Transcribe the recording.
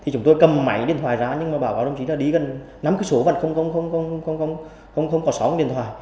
chúng tôi cầm máy điện thoại ra nhưng báo cáo đồng chí là đi gần năm km vẫn không có sóng điện thoại